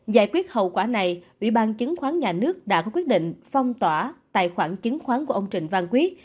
giải quyết hậu quả này ủy ban chứng khoán nhà nước đã có quyết định phong tỏa tài khoản chứng khoán của ông trịnh văn quyết